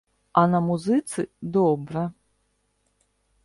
А на музыцы добра.